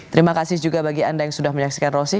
terima kasih juga bagi anda yang sudah menyaksikan rossing